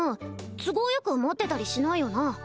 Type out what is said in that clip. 都合よく持ってたりしないよな？